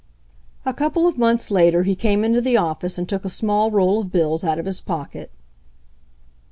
A couple of months later he came into the office and took a small roll of bills out of his pocket.